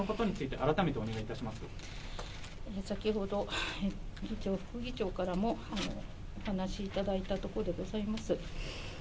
申し訳ございません、先ほど議長、副議長からもお話しいただいたところでございます。